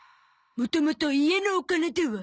もともと家のお金では？